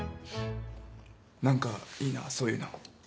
何かいいなそういうの。